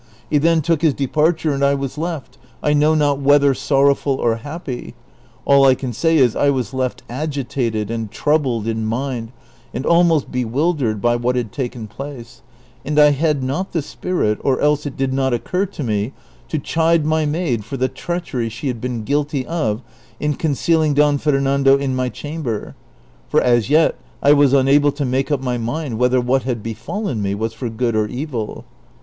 He then took his departure and I was left, I know not whether sorrowful or happy ; all 1 can say is, I was left agitated and troubled in mind and almost bewildered by what had taken place, and I had not the spirit, or else it did not occur to me, to chide ray maid for the treachery she had been guilty of in concealing Don Fernando in ray chamber; for as yet I was unable to make up my mind wdiether what had befallen rae was for good or evil.